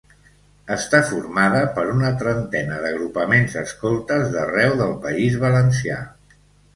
Està formada per una trentena d'agrupaments escoltes d'arreu del País Valencià.